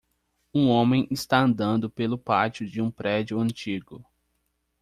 Um homem está andando pelo pátio de um prédio antigo.